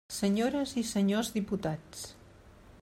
Senyores i senyors diputats.